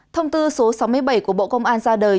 thông tư số sáu mươi bảy của bộ công an ra đời